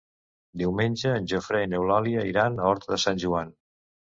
Diumenge en Jofre i n'Eulàlia iran a Horta de Sant Joan.